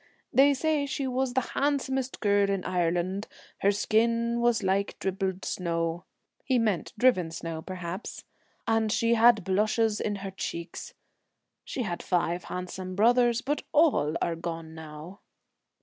They say she was the handsomest girl in Ireland, her skin was like dribbled snow '— he meant driven snow, perhaps, — 'and she had blushes in her cheeks. She had five handsome brothers, but all are gone now